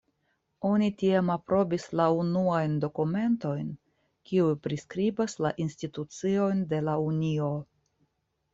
Oni tiam aprobis la unuajn dokumentojn kiuj priskribas la instituciojn de la Unio.